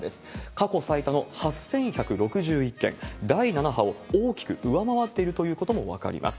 過去最多の８１６１件、第７波を大きく上回っているということも分かります。